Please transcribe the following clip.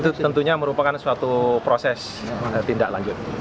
itu tentunya merupakan suatu proses tindak lanjut